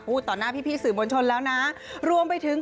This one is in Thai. พูดต่อหน้าพี่สื่อบนชนแล้วนะรวมไปถึง